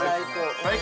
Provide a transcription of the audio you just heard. ◆最高。